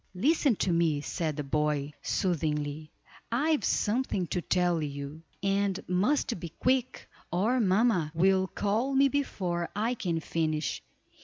"Listen to me," said the boy, soothingly; "I have something to tell you, and must be quick, or mamma will call me before I can finish.